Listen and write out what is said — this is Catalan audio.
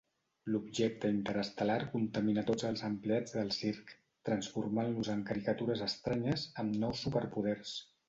L'objecte interestel·lar contamina tots els empleats del circ, transformant-los en caricatures estranyes, amb nous superpoders.